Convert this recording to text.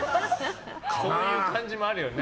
そういう感じもあるよね。